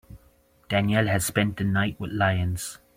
Danielle has spent the night with lions.